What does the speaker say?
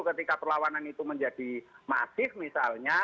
ketika perlawanan itu menjadi masif misalnya